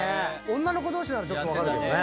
女の子同士なら分かるけどね。